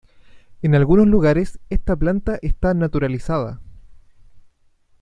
En algunos lugares esta planta está naturalizada.